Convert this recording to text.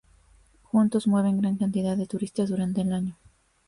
Juntos, mueven gran cantidad de turistas durante el año.